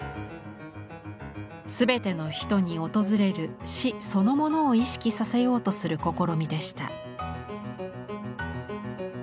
全ての人に訪れる死そのものを意識させようとする試みでした。